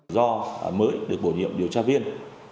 do mới được bổ nhiệm điều tra viên